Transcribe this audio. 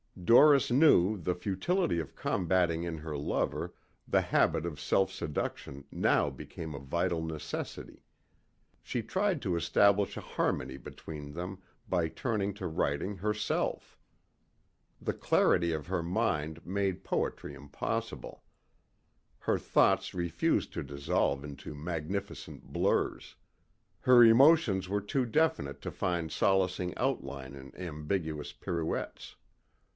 Doris knew the futility of combating in her lover the habit of self seduction now became a vital necessity. She tried to establish a harmony between them by turning to writing herself. The clarity of her mind made poetry impossible. Her thoughts refused to dissolve into magnificent blurs. Her emotions were too definite to find solacing outline in ambiguous pirouettes.